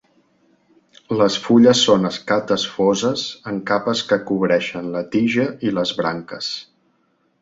Les fulles són escates foses en capes que cobreixen la tija i les branques.